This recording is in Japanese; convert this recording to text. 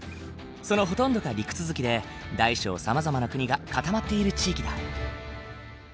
そのほとんどが陸続きで大小さまざまな国が固まっている地域だ。